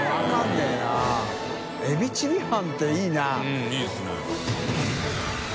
うんいいですね。